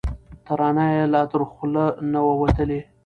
ترانه یې لا تر خوله نه وه وتلې